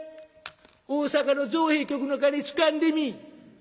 「大坂の造幣局の金つかんでみ？